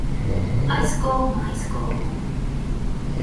Այս կողմը, այս կողմը…